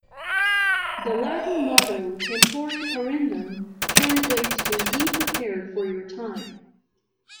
The Latin motto "Tempori Parendum" translates to 'Be prepared for your time'.